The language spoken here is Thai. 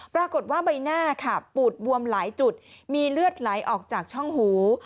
ปรากฏว่าใบหน้าค่ะปูดบวมหลายจุดมีเลือดไหลออกจากช่องหู